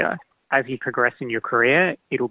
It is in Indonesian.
selepas anda berkembang dalam karir anda